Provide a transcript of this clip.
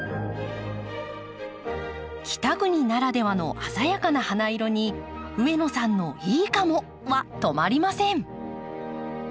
北国ならではの鮮やかな花色に上野さんの「いいかも！」は止まりません。